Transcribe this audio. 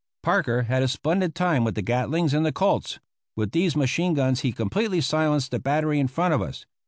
Parker had a splendid time with the Gatlings and the Colts. With these machine guns he completely silenced the battery in front of us.